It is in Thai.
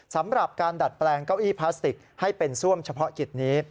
สำหรับการดัดแปลงเก้าอี้พลาสติกให้เป็นซ่วมเฉพาะกิจนี้